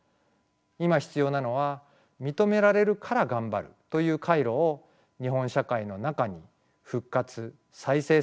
今必要なのは「認められるからがんばる」という回路を日本社会の中に復活再生させることではないでしょうか。